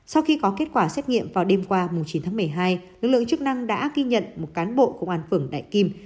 sau khi có kết quả xét nghiệm vào đêm qua chín tháng một mươi hai lực lượng chức năng đã ghi nhận một cán bộ công an phường đại kim